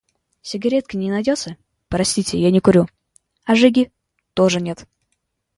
«Сигаретки не найдётся?» — «Простите, я не курю». — «А жиги?» — «Тоже нет».